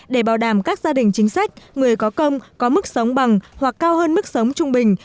để bảo đảm các gia đình chính sách người có công có mức sống bằng hoặc cao hơn mức sống trung bình